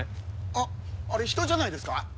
あっあれ人じゃないですか？